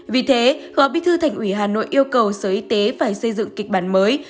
vì thế phó bí thư thành ủy hà nội yêu cầu sở y tế phải xây dựng kịch bản mới